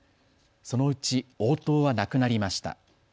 そのうち、応答はなくなりました。